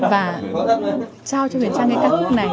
và trao cho huyền trang cái ca khúc này